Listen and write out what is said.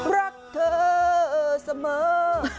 รักเธอสมัย